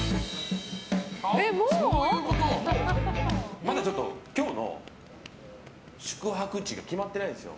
まだ今日の宿泊地が決まってないんですよ。